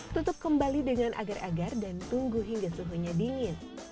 tutup kembali dengan agar agar dan tunggu hingga suhunya dingin